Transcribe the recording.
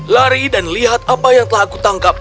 lari dan lihat apa yang telah aku tangkap